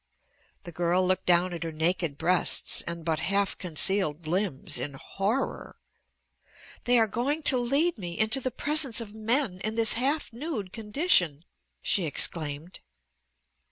The girl looked down at her naked breasts and but half concealed limbs in horror. "They are going to lead me into the presence of men in this half nude condition!" she exclaimed.